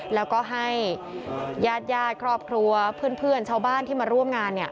แล้วก็ให้ญาติครอบครัวเพื่อนชาวบ้านที่มาร่วมงาน